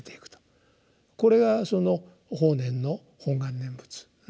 これがその法然の本願念仏のエキスですね。